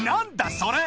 それ。